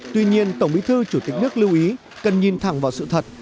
tuy nhiên tổng bí thư chủ tịch nước lưu ý cần nhìn thẳng vào sự thật